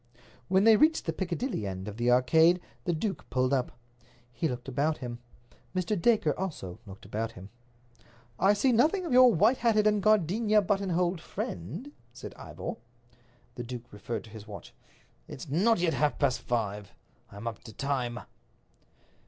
When they reached the Piccadilly end of the Arcade the duke pulled up. He looked about him. Mr. Dacre also looked about him. "I see nothing of your white hatted and gardenia buttonholed friend," said Ivor. The duke referred to his watch. "It's not yet half past five. I'm up to time."